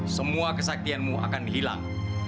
semua kesaktianmu akan hilang